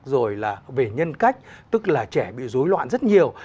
rồi là về nhân cách tức là trẻ bị dối loạn rất nhiều